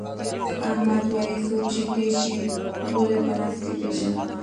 احمد وایي: څوک چې تېر شي، غول یې په نس کې پېژنم.